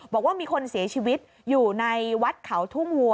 บอกว่ามีคนเสียชีวิตอยู่ในวัดเขาทุ่งวัว